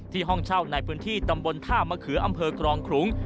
ห้องเช่าในพื้นที่ตำบลท่ามะเขืออำเภอกรองขลุง